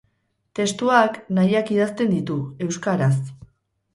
Testuak Nahiak idazten ditu, euskaraz.